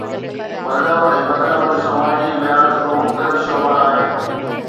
مذهب ۽ مذهب جو سماجي اڀياس ٻه مختلف شعبا آهن.